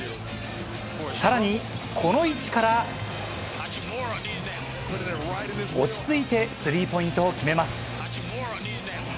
更に、この位置から落ち着いてスリーポイントを決めます。